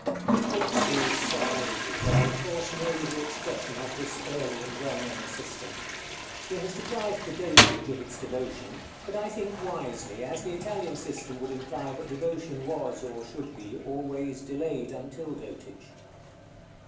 Shakspeare's Seven Ages are of course merely the expression of this early and well known system. He has deprived the dotage of its devotion; but I think wisely, as the Italian system would imply that devotion was, or should be, always delayed until dotage.